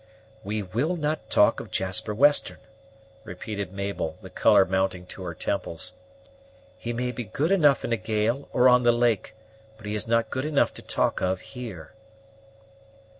"We will not talk of Jasper Western," repeated Mabel, the color mounting to her temples; "he may be good enough in a gale, or on the lake, but he is not good enough to talk of here."